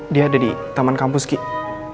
dia ada di taman kampus kita